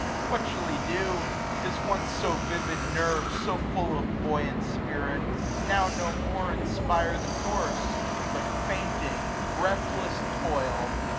What shall he do ? His once so vivid nerves, So full of buoyant spirit, now no more 450 Inspire the course ; but fainting breathless toil.